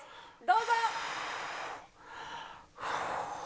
どうぞ！